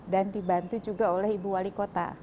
dan dibantu juga oleh ibu wali kota